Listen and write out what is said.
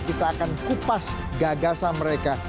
kita akan kupas gagasan mereka